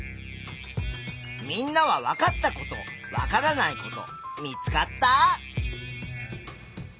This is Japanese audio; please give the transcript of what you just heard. みんなはわかったことわからないこと見つかった？